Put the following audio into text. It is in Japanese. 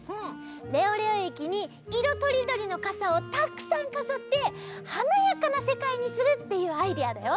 レオレオえきにいろとりどりのかさをたくさんかざってはなやかなせかいにするっていうアイデアだよ。